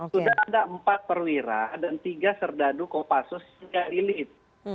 sudah ada empat perwira dan tiga serdadu kopasus yang dilit